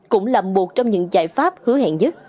cũng là một trong những giải pháp hứa hẹn nhất